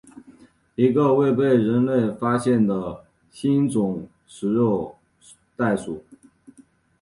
一个未被人类发现的新种食肉袋鼠。